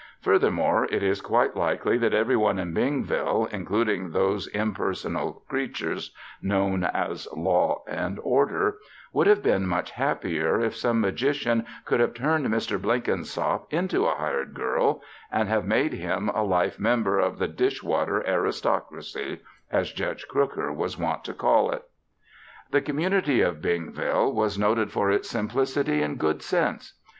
Furthermore, it is quite likely that every one in Bingville, including those impersonal creatures known as Law and Order, would have been much happier if some magician could have turned Mr. Blenkinsop into a hired girl and have made him a life member of "the Dish Water Aristocracy," as Judge Crooker was wont to call it. The community of Bingville was noted for its simplicity and good sense.